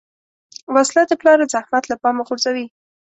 وسله د پلار زحمت له پامه غورځوي